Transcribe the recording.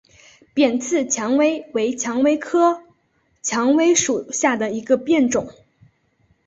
扁刺蔷薇为蔷薇科蔷薇属下的一个变种。